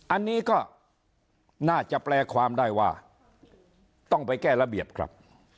อันนี้ก็น่าจะแปลความได้ว่าต้องไปแก้ระเบียบครับ